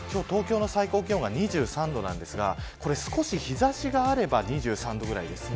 今日、東京の最高気温は２３度なんですが少し日差しがあれば２３度くらいです。